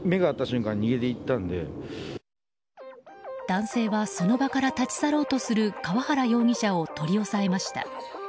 男性はその場から立ち去ろうとする川原容疑者を取り押さえました。